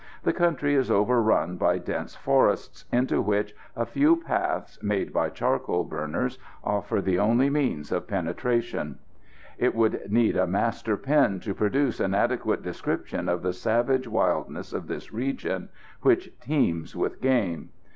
The country is overrun by dense forests, into which a few paths, made by charcoal burners, offer the only means of penetration. It would need a master pen to produce an adequate description of the savage wildness of this region, which teems with game.